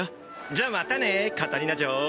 じゃまたねカタリナ嬢。